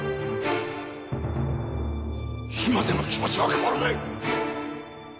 今でも気持ちは変わらない！